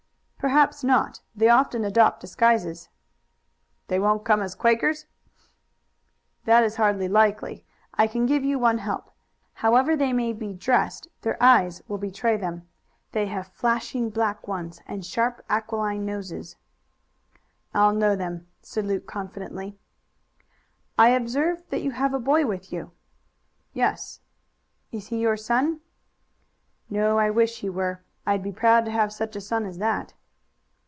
"Perhaps not. They often adopt disguises." "They won't come as Quakers?" "That is hardly likely. I can give you one help. However they may be dressed their eyes will betray them. They have flashing black ones, and sharp, aquiline noses." "I'll know them," said Luke confidently. "I observe that you have a boy with you?" "Yes." "Is he your son?" "No; I wish he were. I'd be proud to have such a son as that."